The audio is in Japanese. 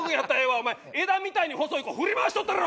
お前枝みたいに細い子振り回しとったろ！